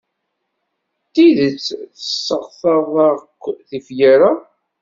D tidet tesseɣtaḍ akk tifyar-a?